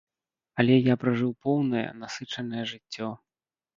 Але я пражыў поўнае, насычанае жыццё.